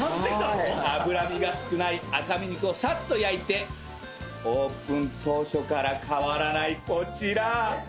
脂身が少ない赤身肉をサッと焼いてオープン当初から変わらないこちら！